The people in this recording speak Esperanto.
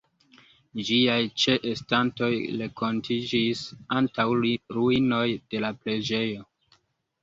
Ĝiaj ĉeestantoj renkontiĝis antaŭ ruinoj de la preĝejo.